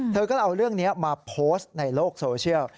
เธอก็เอาเรื่องนี้มาโพสต์ในโลกโซเชียล